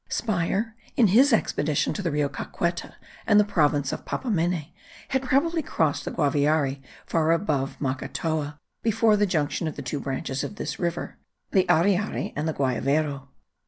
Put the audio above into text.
Speier, in his expedition to the Rio Caqueta and the province of Papamene, had probably crossed the Guaviare far above Macatoa, before the junction of the two branches of this river, the Ariari and the Guayavero.